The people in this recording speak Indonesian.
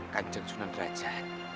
kajik sunan raja